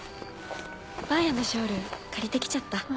ばあやのショール借りて来ちゃった。